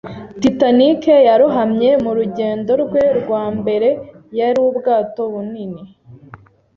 Titanic yarohamye mu rugendo rwe rwa mbere. Yari ubwato bunini.